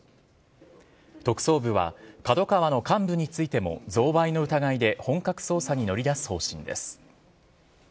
特捜部は、ＫＡＤＯＫＡＷＡの幹部についても、贈賄の疑いで本格捜査に乗り出す方針です。